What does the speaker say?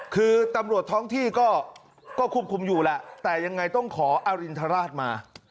คือตำรวจท้องที่ก็ควบคุมอยู่แหละแต่ยังไงต้องขออรินทราชมา